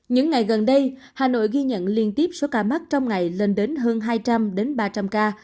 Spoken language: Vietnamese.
những ngày gần đây hà nội ghi nhận liên tiếp số ca mắc trong ngày lên đến hơn hai trăm linh ba trăm linh ca